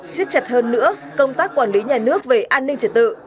xiết chặt hơn nữa công tác quản lý nhà nước về an ninh trật tự